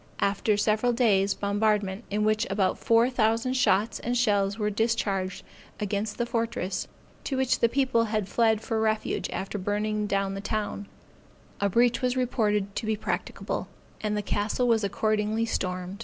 After several days bombardment, in which about four thousand shot and shells were discharged against the fortress, to which the people had fled for refuge after burning down the town, a breach was reported to be practicable, and the castle was accordingly stormed.